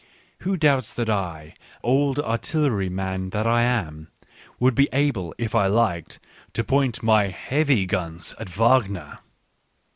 Who doubts that I, old artillery man that I am, would be able if I liked to point my heavy guns at Wagner